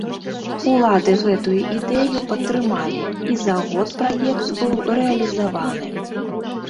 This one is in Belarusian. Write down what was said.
Улады гэтую ідэю падтрымалі і за год праект быў рэалізаваны.